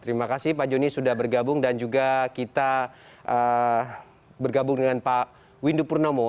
terima kasih pak joni sudah bergabung dan juga kita bergabung dengan pak windu purnomo